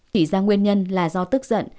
chỉ ra nguyên nhân là do tức giận